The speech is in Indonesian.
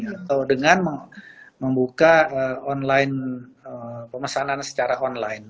atau dengan membuka online pemesanan secara online